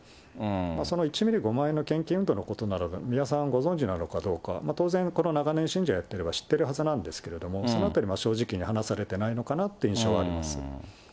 その１ミリ５万円の献金運動の美馬さん、ご存じなのかどうか、当然、長年信者やっていれば信者やってれば知ってるはずなんですけれども、そのあたり、正直に話されてないのかなという印象はあります。